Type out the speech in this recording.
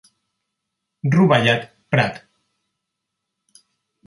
Rovellat Prat.